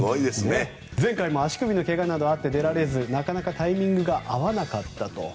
前回も足首のけがなどあって出られずなかなかタイミングが合わなかったと。